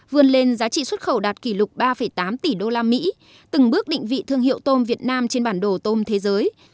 vươn lên giá trị xuất khẩu đạt kỷ lục ba tám tỷ usd từng bước định vị thương hiệu tôm việt nam trên bản đồ tôm thế giới